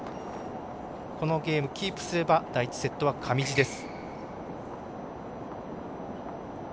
このゲームキープすれば第１セットは上地です。